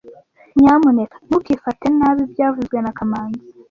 Nyamuneka ntukifate nabi byavuzwe na kamanzi